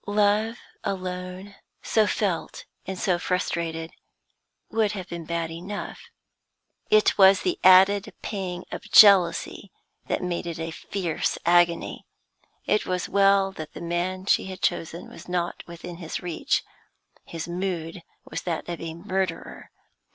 Love alone, so felt and so frustrated, would have been bad enough; it was the added pang of jealousy that made it a fierce agony. It was well that the man she had chosen was not within his reach; his mood was that of a murderer.